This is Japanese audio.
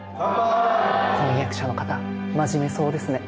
婚約者の方真面目そうですね。